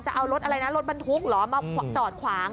จะเอารถอะไรนะรถบรรทุกเหรอมาจอดขวาง